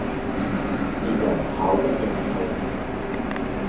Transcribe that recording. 別人跑不進去